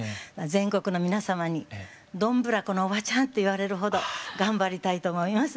全国の皆様にどんぶらこのおばちゃんと言われるほど頑張りたいと思います。